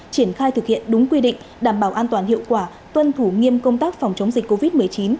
triển khai thực hiện đúng quy định đảm bảo an toàn hiệu quả tuân thủ nghiêm công tác phòng chống dịch covid một mươi chín